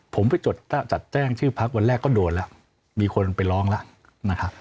ผมไปจดจัดแจ้งชื่อพักวันแรกก็โดนแล้วมีคนไปร้องแล้วนะครับ